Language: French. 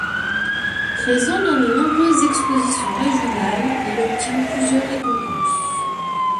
Présent dans de nombreuses expositions régionales, il obtient plusieurs récompenses.